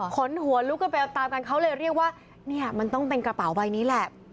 ขนหัวลุกกันไปตามกันเขาเลยเรียกว่าเนี่ยมันต้องเป็นกระเป๋าใบนี้แหละ